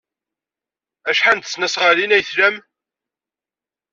Acḥal n tesnasɣalin ay tlam?